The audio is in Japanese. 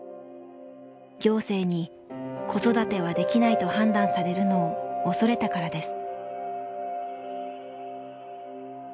行政に子育てはできないと判断されるのを恐れたからです。